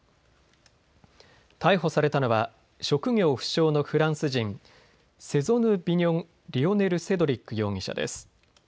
逮捕されたのは職業不詳のフランス人、セゾヌビニョンリオネルセドリック容疑者です。